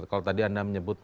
kalau tadi anda menyebutkan